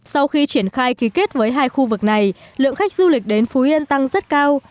sau khi triển khai ký kết với hai khu vực này lượng khách du lịch đến phú yên tăng rất cao